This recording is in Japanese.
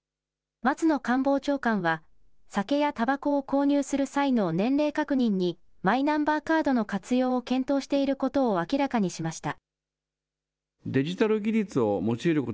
松野官房長官は、酒やたばこを購入する際の年齢確認に、マイナンバーカードの活用を検討していることを明らかにしました。